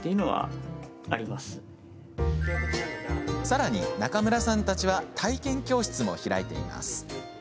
さらに、中村さんたちは体験教室も開いています。